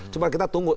cuma kita tunggu